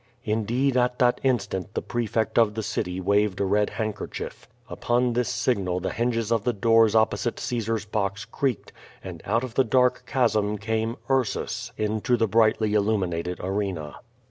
Indeed, at that instant the prefect of the city waved a red handkerchief. Upon this signal the hinges of the doors opposite Caesar's box creaked, and out of the dark chasm came Ursus, into the brightly illuminated arena.